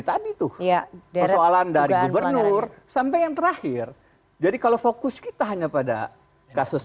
tadi tuh persoalan dari gubernur sampai yang terakhir jadi kalau fokus kita hanya pada kasus